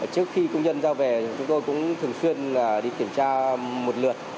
trước khi công nhân ra về chúng tôi cũng thường xuyên đi kiểm tra một lượt